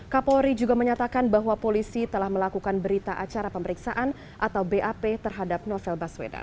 kapolri juga menyatakan bahwa polisi telah melakukan berita acara pemeriksaan atau bap terhadap novel baswedan